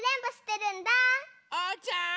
・おうちゃん！